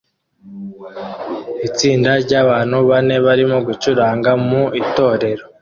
Itsinda ryabantu bane barimo gucuranga mu itorero